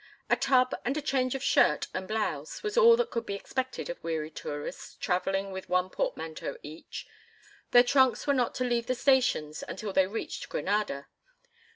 A tub and a change of shirt and blouse was all that could be expected of weary tourists travelling with one portmanteau each; their trunks were not to leave the stations until they reached Granada.